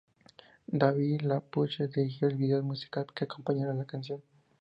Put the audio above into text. David LaChapelle dirigió el vídeo musical que acompañó a la canción.